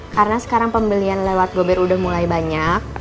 karena sekarang pembelian lewat gober udah mulai banyak